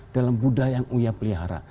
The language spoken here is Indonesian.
dalam budaya yang uyapelihara